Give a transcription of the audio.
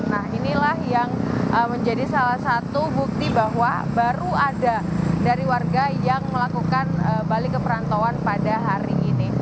nah inilah yang menjadi salah satu bukti bahwa baru ada dari warga yang melakukan balik ke perantauan pada hari ini